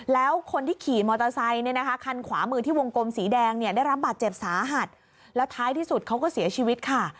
แล้วท้ายที่สุดเขาก็เสียชีวิตค่ะ